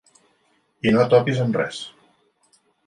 I no topis amb res.